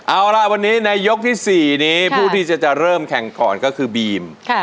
อ๋าลาวันนี้ในยกที่สี่นี้พวกที่จะค่อยจะเริ่มแข่งก่อนเขาก็คือบีม